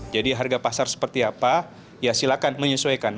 jadi harga pasar seperti apa ya silakan menyesuaikan